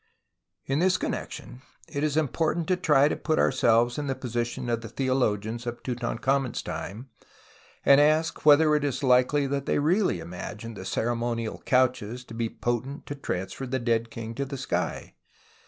In this connexion it is important to try and THE ETHICS OF DESECRATION 131 put ourselves in the position of the theologians of Tutankhamen's time, and ask whether it is likely that they really imagined the ceremonial couches to be potent to transfer the dead king to the sky.